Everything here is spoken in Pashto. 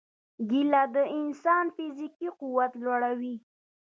کېله د انسان فزیکي قوت لوړوي.